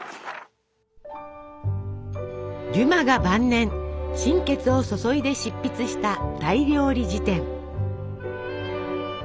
デュマが晩年心血を注いで執筆した「大料理事典」。